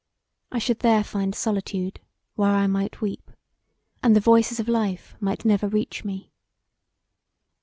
I should there find solitude where I might weep, and the voices of life might never reach me.